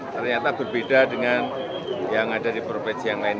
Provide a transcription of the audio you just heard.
ternyata berbeda dengan yang ada di provinsi yang lain